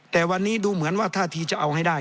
แต่วันนี้ดูเหมือนว่าท่าทีจะเอาให้ได้